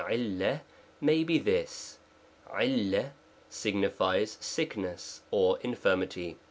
_j^ may be this ; v signifies sickness or infirmity.